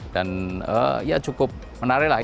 dan ya cukup menarik lah